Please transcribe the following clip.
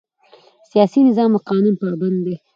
سیاسي نظام د قانون پابند دی